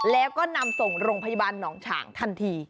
แล้วก็นำส่งโรงพยาบาลหนองฉางทันที